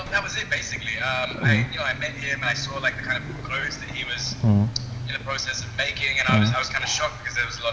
aku ketemu dia aku lihat pakaian pakaiannya yang dia buat